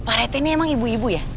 pak retu ini emang ibu ibu ya